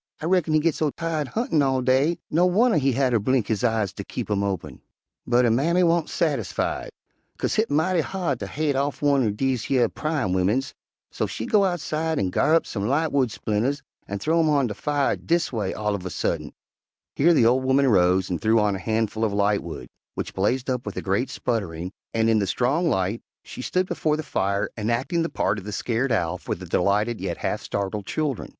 I reckon he git so tired huntin' all day, no wunner he hatter blink his eyes ter keep 'em open.' "But her mammy wan't sassified, 'kase hit mighty hard ter haid off one'r dese yer pryin' wimmins, so she go outside an' ga'rr up some lightwood splinters an' th'ow 'em on de fire, dis away, all uv a suddint." Here the old woman rose and threw on a handful of lightwood, which blazed up with a great sputtering, and in the strong light she stood before the fire enacting the part of the scared Owl for the delighted yet half startled children.